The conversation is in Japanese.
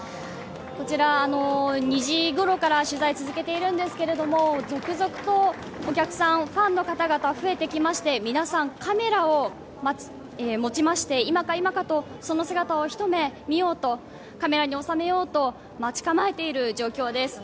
こちら２時ごろから取材を続けているんですけれども続々とファン、お客さんの皆さん増えてきまして皆さん、カメラを持ちまして今か今かとその姿を一目見ようとカメラに収めようと待ち構えている状況です。